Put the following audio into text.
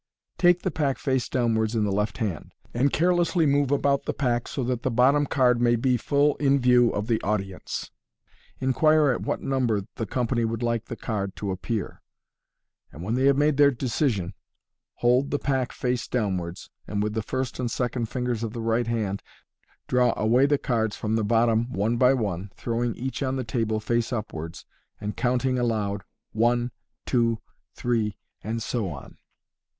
Take the pack face downwards in the left hand, and carelessly move about the pack so that the bottom card may be full in view of the audience. Inquire at what number the company would like the card to appear j and when they have made their decision, hold the pack face down wards, and with the first and second fingers of the right hand draw away the cards from the bottom one by one, throwing each on the table face upwards, and counting aloud *' one," " two/' * three," and so on.